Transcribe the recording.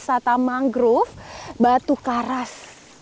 wisata mangrove batu karas